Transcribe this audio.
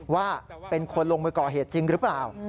ว่าเป็นคนลงมือก่อเหตุจริงหรือเปล่า